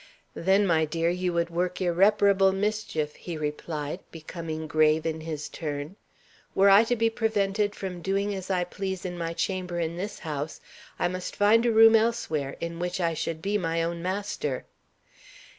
"Then, my dear, you would work irreparable mischief," he replied, becoming grave in his turn. "Were I to be prevented from doing as I please in my chamber in this house, I must find a room elsewhere, in which I should be my own master."